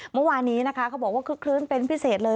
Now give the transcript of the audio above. เมื่อวานนี้นะคะเขาบอกว่าคึกคลื้นเป็นพิเศษเลย